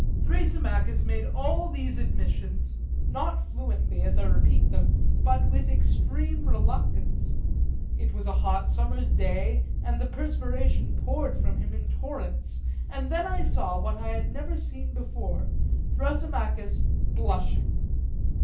Thrasymachus made all these admissions, not fluently, as I repeat them, but with extreme reluctance; it was a hot summer's day, and the perspiration poured from him in torrents; and then I saw what I had never seen before, Thrasymachus blushing.